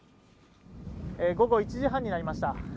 午後１時半になりました。